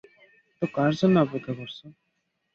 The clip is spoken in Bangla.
তো কার জন্য অপেক্ষা করছ?